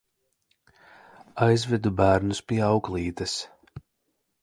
Aizvedu bērnus pie auklītes.